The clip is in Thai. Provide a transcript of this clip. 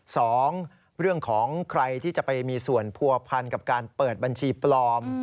สองเรื่องของใครที่จะไปมีส่วนผัวพันกับการเปิดบัญชีปลอม